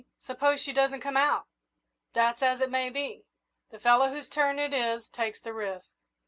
"Suppose she doesn't come out?" "That's as it may be. The fellow whose turn it is takes the risk.